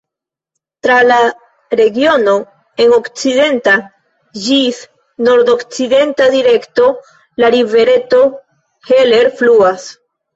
Tra la regiono en okcidenta ĝis nordokcidenta direkto la rivereto Heller fluas.